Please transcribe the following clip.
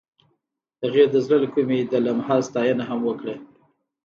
هغې د زړه له کومې د لمحه ستاینه هم وکړه.